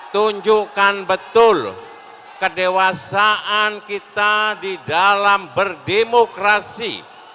tunjukkan betul kedewasaan kita di dalam berdemokrasi